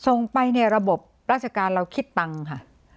ส่งไปในระบบราชการเราคิดตังค์ค่ะ